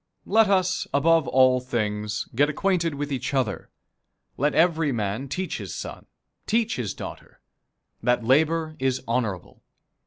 Let us, above all things, get acquainted with each other. Let every man teach his son, teach his daughter, that labor is honorable.